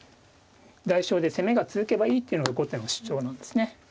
代償で攻めが続けばいいっていうのが後手の主張なんですね。